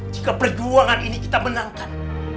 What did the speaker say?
jika perjuangan ini kita menangkan